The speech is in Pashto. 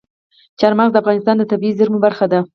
چار مغز د افغانستان د طبیعي زیرمو برخه ده.